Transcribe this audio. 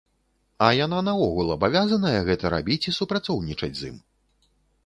А яна наогул абавязаная гэта рабіць і супрацоўнічаць з ім?